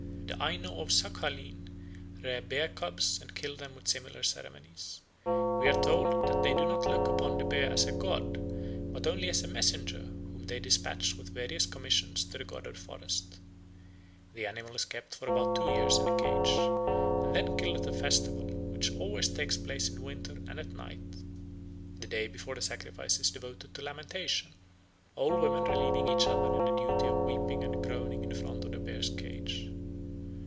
The Aino of Saghalien rear bear cubs and kill them with similar ceremonies. We are told that they do not look upon the bear as a god but only as a messenger whom they despatch with various commissions to the god of the forest. The animal is kept for about two years in a cage, and then killed at a festival, which always takes place in winter and at night. The day before the sacrifice is devoted to lamentation, old women relieving each other in the duty of weeping and groaning in front of the bear's cage.